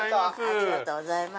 ありがとうございます。